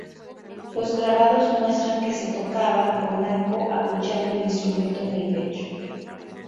Los grabados muestran que se tocaba con arco, apoyando el instrumento en el pecho.